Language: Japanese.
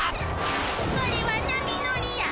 それは波乗りや。